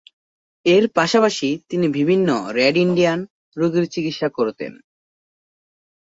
এর পাশাপাশি তিনি বিভিন্ন রেড ইন্ডিয়ান রোগীর চিকিৎসা করতেন।